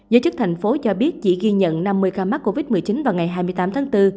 giới chức thành phố cho biết chỉ ghi nhận năm mươi ca mắc covid một mươi chín vào ngày hai mươi tám tháng bốn